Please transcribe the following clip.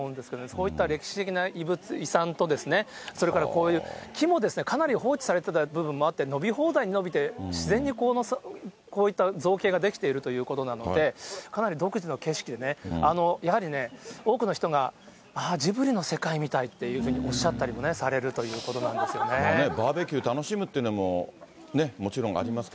そういった歴史の遺産と、それからこういう木もかなり放置されてた部分もあって、伸び放題に伸びて、自然にこういった造形が出来ているということなのでかなり独自の景色でね、やはりね、多くの人が、ああ、ジブリの世界みたいっていうふうにおっしゃったりもされるというが、中山さん、神奈川に住んでるじゃないですか。